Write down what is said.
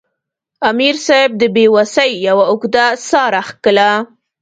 امیر صېب د بې وسۍ یوه اوږده ساه راښکله